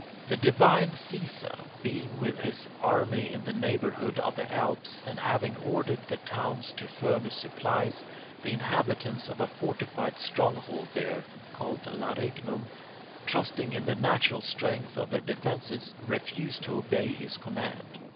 The divine Caesar, being with his army in the neighbourhood of the Alps, and having ordered the towns to furnish supplies, the inhabitants of a fortified stronghold there, called Larignum, trusting in the natural strength of their defences, refused to obey his command.